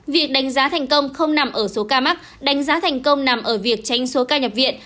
việc đánh giá thành công không nằm ở số ca mắc đánh giá thành công nằm ở việc tranh số ca nhập viện